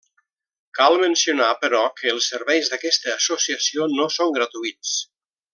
Cal mencionar, però, que els serveis d'aquesta associació no són gratuïts.